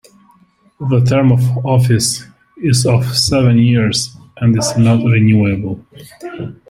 The term of office is of seven years and is not renewable.